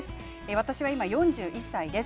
私は今４１歳です。